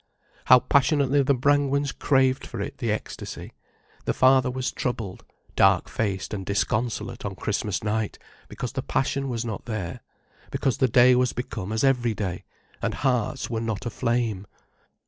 How passionately the Brangwens craved for it, the ecstasy. The father was troubled, dark faced and disconsolate, on Christmas night, because the passion was not there, because the day was become as every day, and hearts were not aflame.